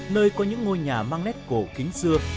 nơi có những ngôi nhà mang nét cổ kính xưa